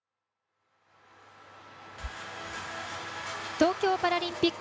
東京パラリンピック